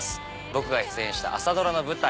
僕が出演した朝ドラの舞台